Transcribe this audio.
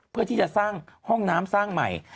เพื่อที่จะสร้างห้องน้ำสร้างใหม่